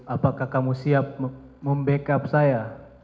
apakah kamu siap membackup saya